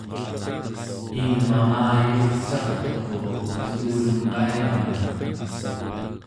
ingnamayurcarturru estuulum qainganun!